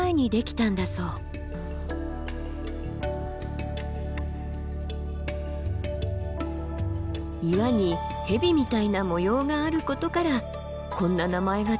岩に蛇みたいな模様があることからこんな名前が付いたんですって。